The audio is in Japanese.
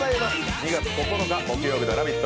２月９日木曜日の「ラヴィット！」